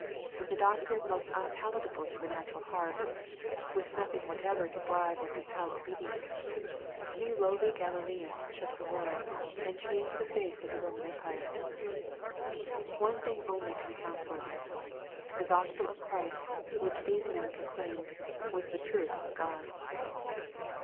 With a doctrine most unpalatable to the natural heart, — with nothing whatever to bribe or compel obedience, — a few lowly Gal ileans shook the world, and chaoged the face of the Bomaa empire. One thing only can account for this. The Gospel of Christ, which these men proclaimed, was the truth of G^d.